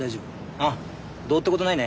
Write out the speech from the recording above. ああどうってことないね。